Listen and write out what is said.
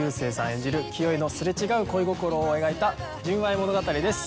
演じる清居のすれ違う恋心を描いた純愛物語です。